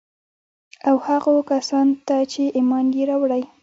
او هغو کسان ته چي ايمان ئې راوړى